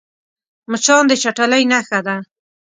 مچان د چټلۍ نښه ده